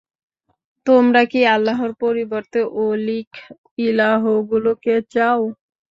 তোমরা কি আল্লাহর পরিবর্তে অলীক ইলাহগুলোকে চাও?